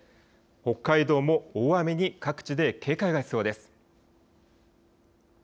北海道も大雨に各地で警戒が必要です。